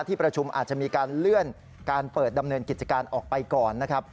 ที่ประชุมอาจจะมีการเลื่อนการเปิดดำเนินกิจการออกไปก่อนนะครับ